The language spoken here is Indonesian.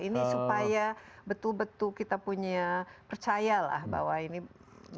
ini supaya betul betul kita punya percaya lah bahwa ini memang dengan uji klinis